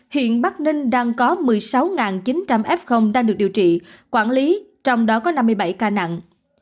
hiện bắc ninh đang có một mươi sáu chín trăm linh f đang được điều trị quản lý trong đó có năm mươi bảy ca nặng